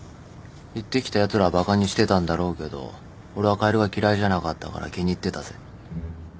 言ってきたやつらはバカにしてたんだろうけど俺はカエルが嫌いじゃなかったから気に入ってたぜ。